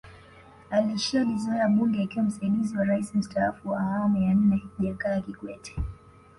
Alishalizoea bunge akiwa msaidizi wa raisi mstaafu wa awamu ya nne Jakaya Kikwete